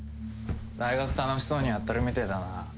大学楽しそうにやってるみてえだな。